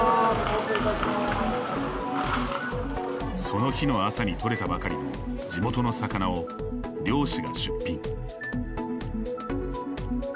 その日の朝に捕れたばかりの地元の魚を漁師が出品。